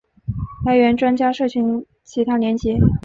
来源专家社群其他连结